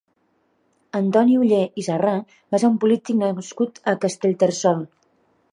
Antoni Oller i Sarrà va ser un polític nascut a Castellterçol.